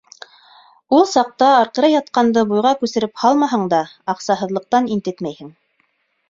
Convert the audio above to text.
Ул саҡта арҡыры ятҡанды буйға күсереп һалмаһаң да, аҡсаһыҙлыҡтан интекмәйһең.